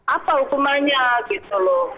apa hukumannya gitu loh